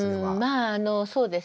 まあそうですね。